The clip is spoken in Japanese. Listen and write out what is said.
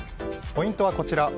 ポイントはこちら。